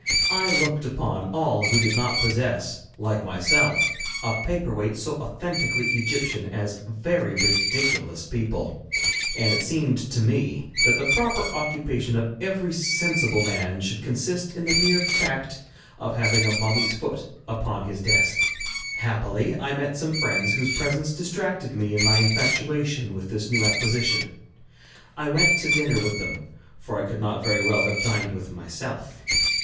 I looked upon all who did not possess, like myself, a paper weight so authentically Egyptian as very ridiculous people, and it seemed to me that the proper occupation of every sensible man should consist in the mere fact of having a mummy's foot upon his desk. Happily I met some friends, whose presence distracted me in my infatuation with this new acquisition. I went to dinner with them, for I could not very well have dined with myself.